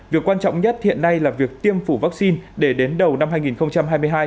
việc quan trọng nhất hiện nay là việc tiêm phủ vaccine để đến đầu năm hai nghìn hai mươi hai